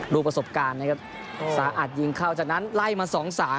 ดูประสบการณ์นะครับสาอัดยิงเข้าจากนั้นไล่มาสองสาม